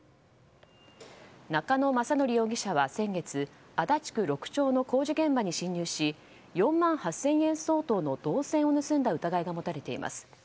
中野将範容疑者は先月足立区の工事現場で４万８０００円相当の銅線を盗んだ疑いが持たれています。